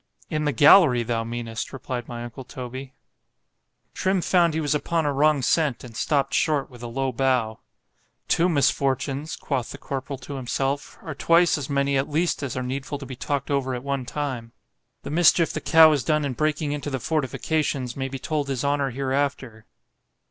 ——In the gallery thou meanest, replied my uncle Toby. Trim found he was upon a wrong scent, and stopped short with a low bow——Two misfortunes, quoth the corporal to himself, are twice as many at least as are needful to be talked over at one time;——the mischief the cow has done in breaking into the fortifications, may be told his honour hereafter.